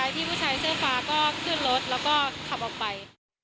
พี่ผู้ชายเสื้อฟ้าก็ขึ้นรถแล้วก็ขับออกไป